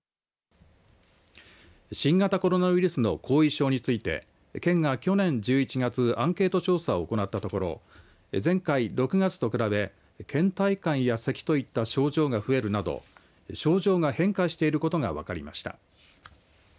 新型コロナウイルスの後遺症について県が去年１１月アンケート調査を行ったところ前回６月と比べけん怠感やせきといった症状が増えるなど症状が変化していることが分かりました。